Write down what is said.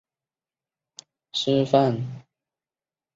刘仲容早年毕业于湖南省立第一师范学校。